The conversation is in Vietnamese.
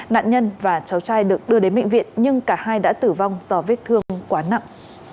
nạn nhân và cháu trai được đưa đến bệnh viện nhưng cả hai đã tử vong do vết thương quá nặng